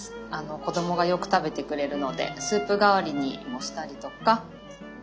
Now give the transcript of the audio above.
子どもがよく食べてくれるのでスープ代わりにもしたりとか。